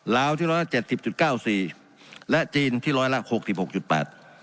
ล้าวที่ร้อยละ๗๐๙๔และจีนที่ร้อยละ๖๖๘